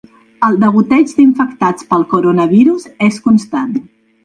El degoteig d’infectats pel coronavirus és constant.